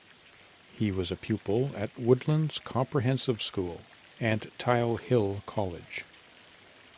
He was a pupil at Woodlands Comprehensive School and Tile Hill College.